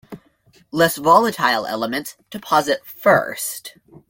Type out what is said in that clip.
Less volatile elements deposit first.